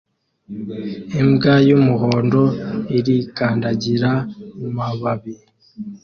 Imbwa y'umuhondo irikandagira mumababi